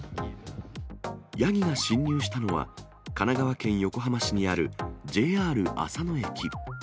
ヤギが侵入したのは、神奈川県横浜市にあるＪＲ浅野駅。